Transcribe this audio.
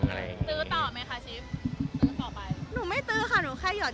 หมายความที่คือก๊อด